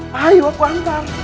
mayu aku hantar